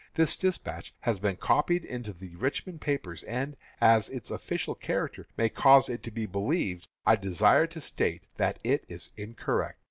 This despatch has been copied into the Richmond papers; and, as its official character may cause it to be believed, I desire to state that it is incorrect.